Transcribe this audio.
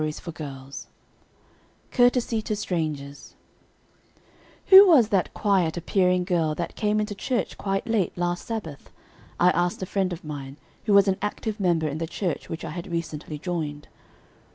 COURTESY TO STRANGERS "Who was that quiet appearing girl that came into church quite late, last Sabbath?" I asked a friend of mine who was an active member in the church which I had recently joined.